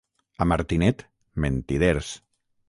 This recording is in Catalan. A Martinet, mentiders.